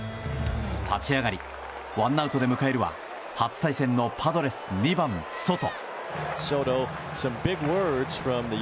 立ち上がりワンアウトで迎えるは初対戦のパドレス２番、ソト。